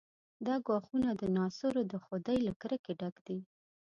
دا ګواښونه د ناصرو د خدۍ له کرکې ډک دي.